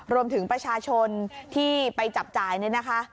รวมถึงประชาชนที่ไปจับจ่ายเนี่ยนะคะ